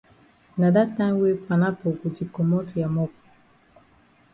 Na dat time wey panapo go di komot ya mop.